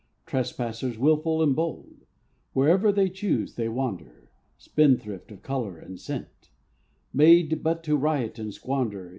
Trespassers wilful and bold, Wherever they choose they wander, Spendthrift of color and scent— Made but to riot and squander.